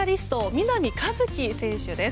南一輝選手です。